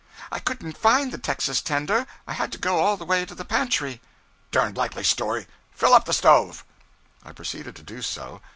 'I couldn't find the texas tender; I had to go all the way to the pantry.' 'Derned likely story! Fill up the stove.' I proceeded to do so.